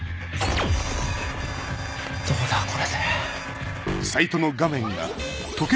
どうだこれで。